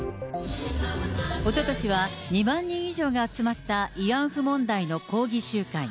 おととしは、２万人以上が集まった慰安婦問題の抗議集会。